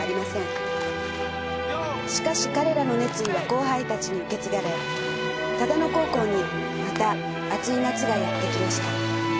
しかし彼らの熱意は後輩たちに受け継がれ唯野高校にまた熱い夏がやってきました。